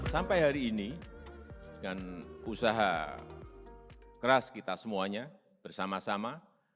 sampai hari ini dengan usaha keras kita semuanya bersama sama